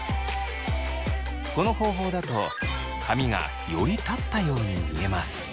この方法だと髪がより立ったように見えます。